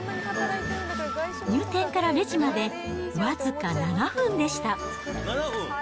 入店からレジまで、僅か７分でした。